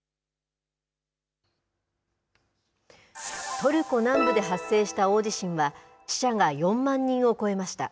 トルコ南部で発生した大地震は、死者が４万人を超えました。